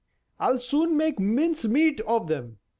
I'll soon make mince meat of them."